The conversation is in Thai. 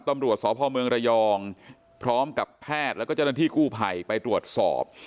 ตำรวจสพเมืองระยองพร้อมกับแพทย์แล้วก็เจ้าหน้าที่กู้ภัยไปตรวจสอบ